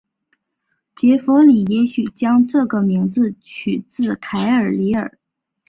杰佛里也许将这个名字取自凯尔李尔。